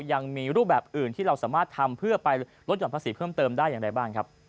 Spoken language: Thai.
ยังมีรูปแบบอื่นที่เราสามารถทำเพื่อไปลดหย่อนภาษีเพิ่มเติมได้อย่างไรบ้างครับ